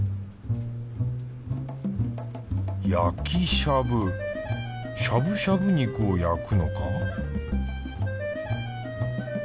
やきしゃぶしゃぶしゃぶ肉を焼くのか？